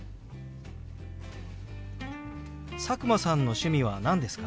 佐久間さんの趣味は何ですか？